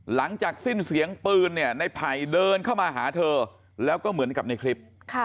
หลังจากสิ้นเสียงปืนเนี่ยในไผ่เดินเข้ามาหาเธอแล้วก็เหมือนกับในคลิป